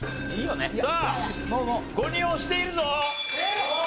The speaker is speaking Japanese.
さあ５人押しているぞ。